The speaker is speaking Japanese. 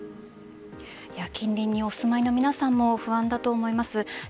近隣にお住まいの皆さんも不安だと思います。